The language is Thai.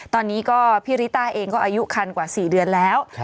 ตอนนี้ก็พี่ริต้าเองก็อายุคันกว่า๔เดือนแล้ว